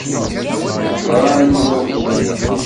Ḍran-d wagulen.